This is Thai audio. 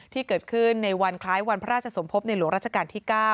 ที่เกิดขึ้นในวันคล้ายวันพระราชสมภพในหลวงราชการที่๙